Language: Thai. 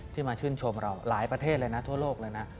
มาชื่นชมเราหลายประเทศเลยนะทั่วโลกเลยนะ